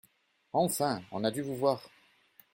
Enfin, on a dû vous voir !